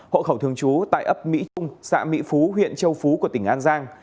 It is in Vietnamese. hộ khẩu thường trú tại ấp mỹ trung xã mỹ phú huyện châu phú của tỉnh an giang